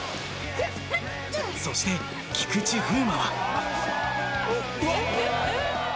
そして、菊池風磨は。